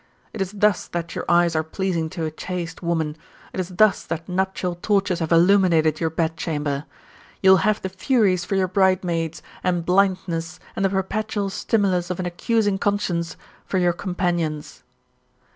It is thus that your eyes are pleasing to a chaste woman, it is thus that nuptial torches have illuminated your bedchamber. You will have the Furies for your bridemaids, and blindness, and the perpetual stimulus of an accusing conscience, for your companions.'